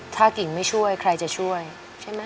ถ้ากิ่งไม่ช่วยใครจะช่วยใช่ไหม